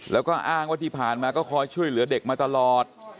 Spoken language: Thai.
แล้วก็อ้างว่าที่ผ่านมาก็คอยช่วยเหลือเด็กมาตลอด